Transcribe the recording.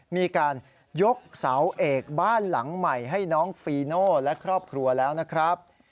มีการยกเสาเอกบ้านหลังใหม่ให้น้องฟีโน่และครอบครัวแล้วนะครับ